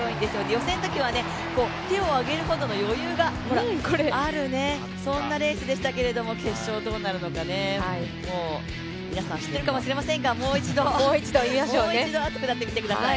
予選のときは手を上げるほどの余裕があるレースでしたけれども、決勝どうなるのか、もう皆さん、知ってるかもしれませんが、もう一度熱くなってみてください。